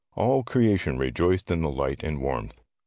All creation rejoiced in the light and warmth.